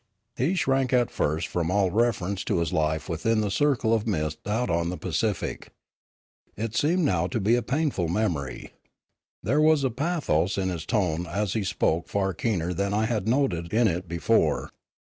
He shrank at first from all reference to his life within the circle of mist out on the Pacific. It seemed now to be a painful memory. There was a pathos in his tone as he spoke far keener than I had noted in it be fore.